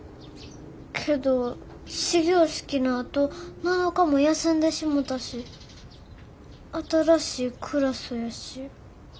けど始業式のあと７日も休んでしもたし新しいクラスやし。